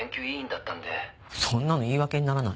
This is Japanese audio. そんなの言い訳にならない。